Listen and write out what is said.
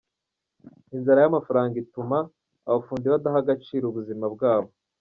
Inzara y’amafaranga ituma abafundi badaha agaciro ubuzima bwabo